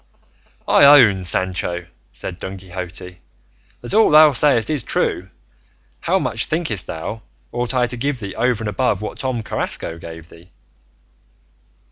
"I own, Sancho," said Don Quixote, "that all thou sayest is true; how much, thinkest thou, ought I to give thee over and above what Tom Carrasco gave thee?"